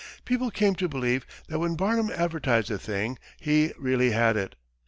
People came to believe that when Barnum advertised a thing, he really had it.